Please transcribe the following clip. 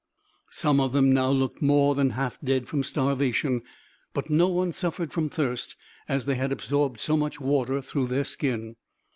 Some of them now looked more than half dead from starvation, but no one suffered from thirst, as they had absorbed so much water through the skin.